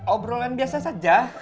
obrolan biasa saja